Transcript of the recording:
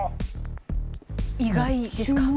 意外ですか？